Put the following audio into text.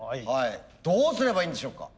どうすればいいんでしょうか。